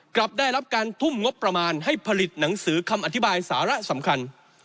กลับได้รับการทุ่มงบประมาณให้ผลิตหนังสือคำอธิบายสาระสำคัญ